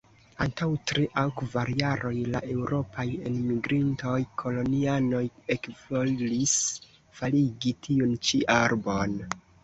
Antaŭ tri aŭ kvar jaroj la eŭropaj enmigrintoj-kolonianoj ekvolis faligi tiun ĉi arbon.